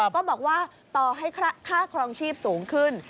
ก็บอกว่าต่อให้ค่าครองชีพสูงขึ้น